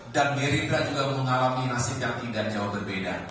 gerindra juga mengalami nasib yang tidak jauh berbeda